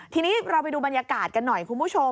ทีนี้เราไปดูบรรยากาศกันหน่อยคุณผู้ชม